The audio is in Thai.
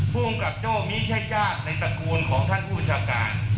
ภูมิกับโจ้มีใช้จากในตระกูลของท่านภูมิกับโจ้